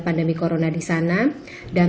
pandemi corona di sana dan